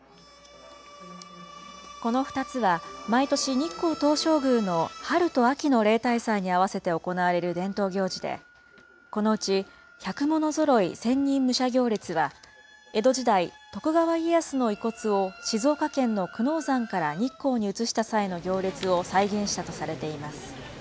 この２つは毎年日光東照宮の春と秋の例大祭に合わせて行われる伝統行事で、このうち、百物揃千人武者行列は江戸時代、徳川家康の遺骨を、静岡県の久能山から日光に移した際の行列を再現したとされています。